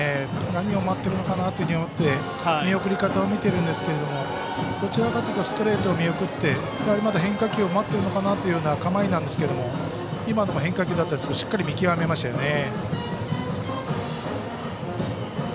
何を待っているのかということによって見送り方を見ているんですけどもどちらかというとストレートを見送って、変化球を待っているのかなという構えなんですけどさっきのも変化球だったんですがしっかり見極めましたね。